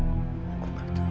aku gak tahu